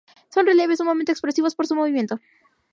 Son relieves sumamente expresivos por su movimiento.